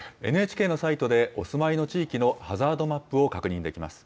ＮＨＫのサイトでお住まいの地域のハザードマップを確認できます。